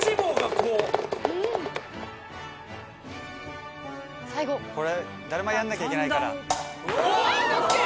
これダルマやんなきゃいけないから。